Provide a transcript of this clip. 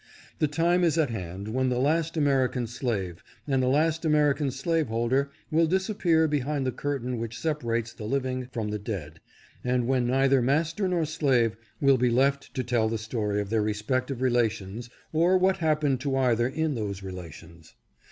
The time is at hand when the last American slave and the last American slaveholder will disappear behind the curtain which sepa rates the living from the dead and when neither master nor slave will be left to tell the story of their respective relations or what happened to either in those relations.